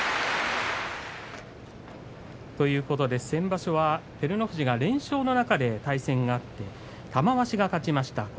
先場所は照ノ富士が連勝の中で対戦があって玉鷲が勝ちました。